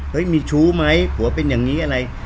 มีชู้ไหมผัวเป็นอย่างนี้อะไร